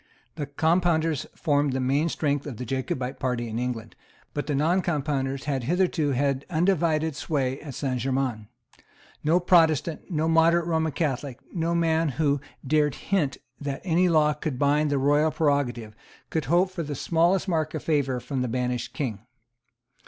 The Compounders formed the main strength of the Jacobite party in England; but the Noncompounders had hitherto had undivided sway at Saint Germains. No Protestant, no moderate Roman Catholic, no man who dared to hint that any law could bind the royal prerogative, could hope for the smallest mark of favour from the banished King.